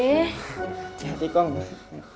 hati hati kau ngasih